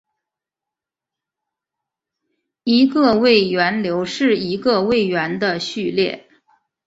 一个位元流是一个位元的序列。